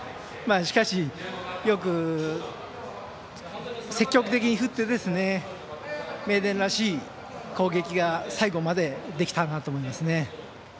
しかし、よく積極的に振ってですね名電らしい攻撃が最後までできたなと思いますね。